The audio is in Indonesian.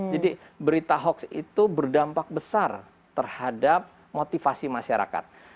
jadi berita hoax itu berdampak besar terhadap motivasi masyarakat